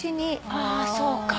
ああそうか。